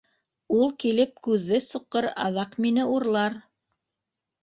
— Ул килеп күҙҙе суҡыр, аҙаҡ мине урлар.